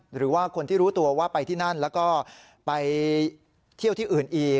หรือว่าคนที่รู้ตัวว่าไปที่นั่นแล้วก็ไปเที่ยวที่อื่นอีก